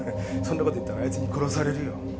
そんな事言ったらあいつに殺されるよ。